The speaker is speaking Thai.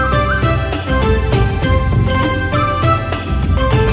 โชว์สี่ภาคจากอัลคาซ่าครับ